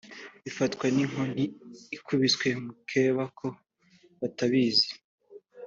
bifatwa nk’inkoni ikubiswe mukeba ko batabizi